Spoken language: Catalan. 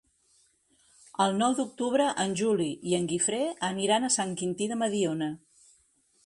El nou d'octubre en Juli i en Guifré aniran a Sant Quintí de Mediona.